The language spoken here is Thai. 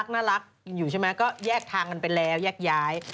น่ารักอยู่ใช่ไหมก็แยกทางกันไปแล้วแยกย้าย